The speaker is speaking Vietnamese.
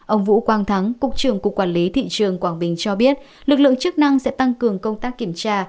ông vũ quang thắng cục trưởng cục quản lý thị trường quảng bình cho biết lực lượng chức năng sẽ tăng cường công tác kiểm tra